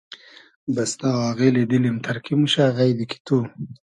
بستۂ آغیلی دیلیم تئرکی موشۂ غݷدی کی تو